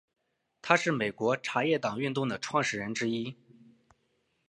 他是美国茶叶党运动的创始人之一。